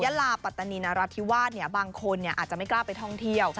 ลาปัตตานีนรัฐธิวาสบางคนอาจจะไม่กล้าไปท่องเที่ยว